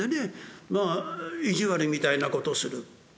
まあ意地悪みたいなことする。